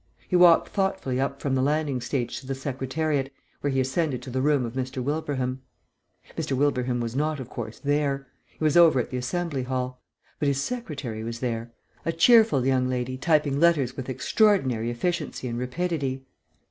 He walked thoughtfully up from the landing stage to the Secretariat, where he ascended to the room of Mr. Wilbraham. Mr. Wilbraham was not, of course, there; he was over at the Assembly Hall. But his secretary was there; a cheerful young lady typing letters with extraordinary efficiency and rapidity.